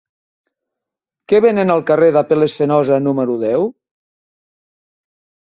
Què venen al carrer d'Apel·les Fenosa número deu?